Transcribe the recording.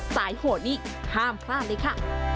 โหดนี้ห้ามพลาดเลยค่ะ